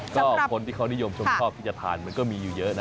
ก็คนที่เขานิยมชมชอบที่จะทานมันก็มีอยู่เยอะนะ